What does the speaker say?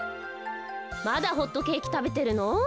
まだホットケーキたべてるの？